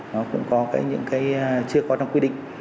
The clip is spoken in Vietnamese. nó cũng có những cái chưa có quy định